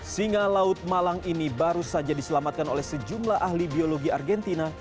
singa laut malang ini baru saja diselamatkan oleh sejumlah ahli biologi argentina